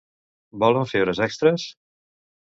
Volen fer hores extres?